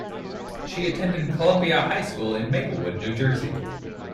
She attended Columbia High School in Maplewood, New Jersey.